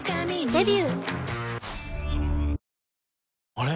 あれ？